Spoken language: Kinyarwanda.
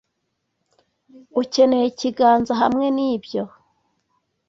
Ukeneye ikiganza hamwe nibyo?